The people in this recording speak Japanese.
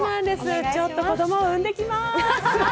ちょっと子供を産んできます。